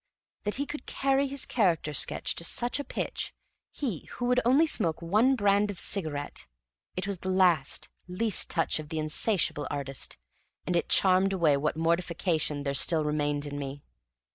That he could carry his character sketch to such a pitch he who would only smoke one brand of cigarette! It was the last, least touch of the insatiable artist, and it charmed away what mortification there still remained in me.